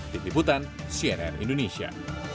ditiputan cnn indonesia